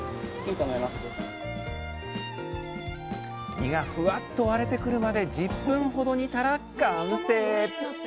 身がふわっと割れてくるまで１０分ほど煮たら完成。